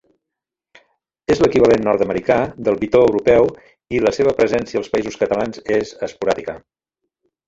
És l'equivalent nord-americà del bitó europeu i la seva presència als Països Catalans és esporàdica.